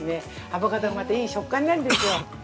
アボカドがまた、いい食感なんですよ。